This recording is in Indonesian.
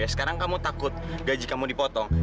sekarang kamu takut gaji kamu dipotong